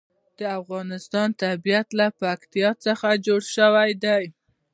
د افغانستان طبیعت له پکتیا څخه جوړ شوی دی.